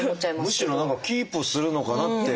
むしろ何かキープするのかなって。